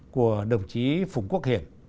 của đồng chí phùng quốc hiển